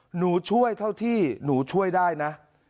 หนูช่วยเท่าที่หนูช่วยได้นะ